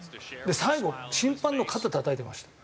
最後審判の肩たたいてました。